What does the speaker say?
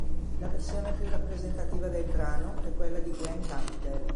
La versione più rappresentativa del brano è quella di Glen Campbell.